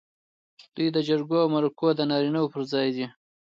دوی د جرګو او مرکو د نارینه و پر ځای دي.